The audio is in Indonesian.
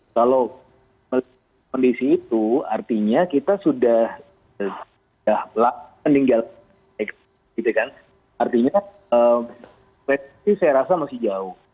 kalau melihat kondisi itu artinya kita sudah meninggal artinya saya rasa masih jauh